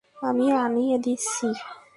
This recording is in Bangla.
আমি আনিয়ে দিচ্ছি।